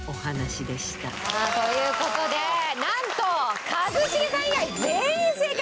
さあという事でなんと一茂さん以外全員正解！